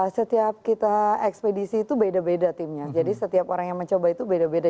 setiap kita ekspedisi itu beda beda timnya jadi setiap orang yang mencoba itu beda beda